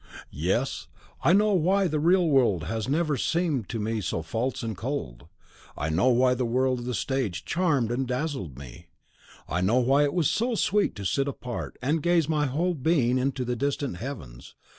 Yes; I know why the real world has ever seemed to me so false and cold. I know why the world of the stage charmed and dazzled me. I know why it was so sweet to sit apart and gaze my whole being into the distant heavens.